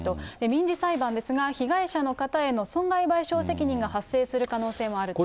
民事裁判ですが、被害者の方への損害賠償責任が発生する可能性もあると。